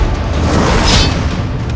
ini adalah padaku